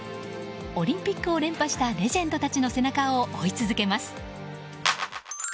オリンピックを連覇したレジェンドたちの背中を追い続けます。